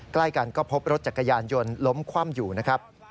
ใกล้กันก็พบรถจักรยานยนต์ล้มคว่ำอยู่นะครับ